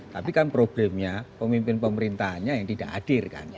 tapi kan problemnya pemimpin pemerintahnya yang tidak hadir kan